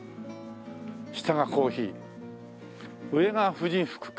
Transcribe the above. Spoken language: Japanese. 下がコーヒー上が婦人服か。